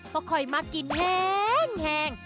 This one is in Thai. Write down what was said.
เพราะคอยมากินแห้ง